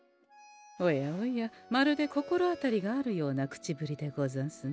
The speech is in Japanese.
おやおやまるで心当たりがあるような口ぶりでござんすね。